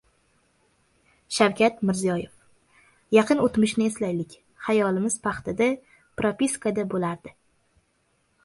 Shavkat Mirziyoyev: "Yaqin o‘tmishni eslaylik. Xayolimiz paxtada, propiskada bo‘lardi"